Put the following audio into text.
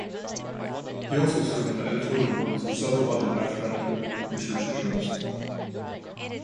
He also served on the editorial boards of several other mathematical research journals.